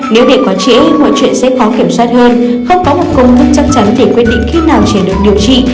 nếu để có trẻ mọi chuyện sẽ khó kiểm soát hơn không có một công thức chắc chắn để quyết định khi nào trẻ được điều trị